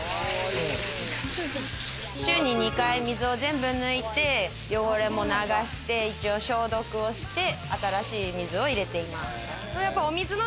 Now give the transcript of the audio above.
週に２回、水を全部抜いて、汚れも流して、消毒をして、新しい水を入れています。